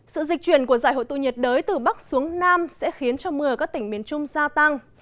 sự dịch chuyển của giải hội tụ nhiệt đới từ bắc xuống nam sẽ khiến cho mưa ở các tỉnh miền trung gia tăng